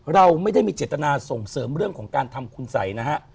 เราไม่ได้มีเจตนาส่งเสริมเรื่องของการทำคุณสัยนะฮะ